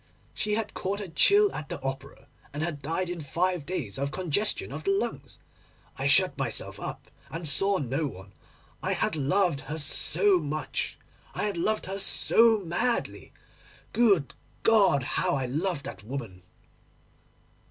She had caught a chill at the Opera, and had died in five days of congestion of the lungs. I shut myself up and saw no one. I had loved her so much, I had loved her so madly. Good God! how I had loved that woman!